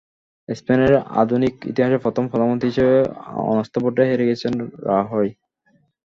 স্পেনের আধুনিক ইতিহাসে প্রথম প্রধানমন্ত্রী হিসেবে অনাস্থা ভোটে হেরে গেছেন রাহয়।